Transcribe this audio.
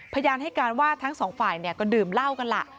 พยานให้การว่าทั้งสองฝ่ายก็ดื่มเหล้ากันล่ะ